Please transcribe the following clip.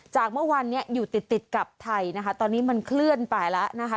เมื่อวานนี้อยู่ติดติดกับไทยนะคะตอนนี้มันเคลื่อนไปแล้วนะคะ